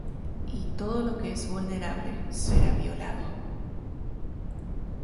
Y todo lo que es vulnerable será violado!